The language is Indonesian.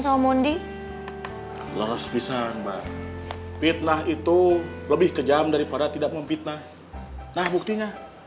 sama mondi lolos pisang mbak fitnah itu lebih kejam daripada tidak memfitnah nah buktinya